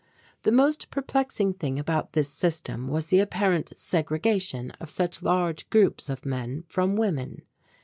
The most perplexing thing about this system was the apparent segregation of such large groups of men from women.